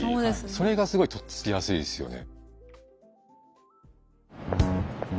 それがすごいとっつきやすいですよね。